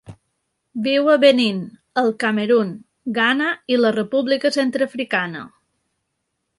Viu a Benín, el Camerun, Ghana i la República Centreafricana.